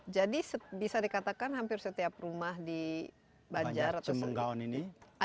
jadi bisa dikatakan hampir setiap rumah di banjar atau sebagainya